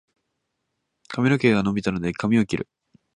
髪の毛が伸びたので、髪を切る。